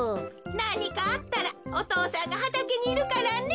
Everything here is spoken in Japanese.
なにかあったらお父さんがはたけにいるからね。